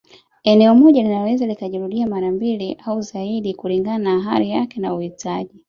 Eneo moja linaweza likajirudia mara mbili au zaidi kulingana na hali yake na uhitaji